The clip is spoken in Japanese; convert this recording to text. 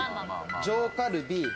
上カルビ。